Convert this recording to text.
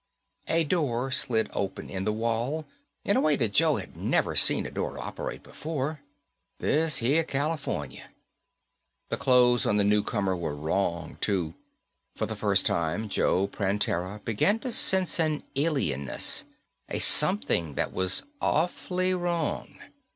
A door slid open in the wall in a way that Joe had never seen a door operate before. This here California. The clothes on the newcomer were wrong, too. For the first time, Joe Prantera began to sense an alienness a something that was awfully wrong.